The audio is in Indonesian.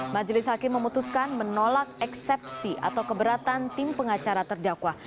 majelis hakim memutuskan menolak eksepsi atau keberatan tim pengacara terdakwa